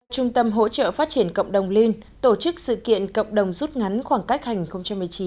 trung tâm hỗ trợ phát triển cộng đồng liên tổ chức sự kiện cộng đồng rút ngắn khoảng cách hành một mươi chín